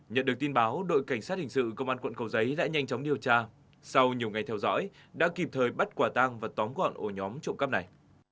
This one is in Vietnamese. nhận được tin báo đội cảnh sát hình sự công an quận cầu giấy đã nhanh chóng điều tra sau nhiều ngày theo dõi đã kịp thời bắt quả tang và tóm gọn ổ nhóm trộm cắp này